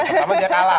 pertama dia kalah